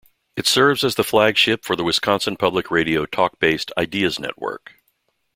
It serves as the flagship for the Wisconsin Public Radio talk-based "Ideas Network".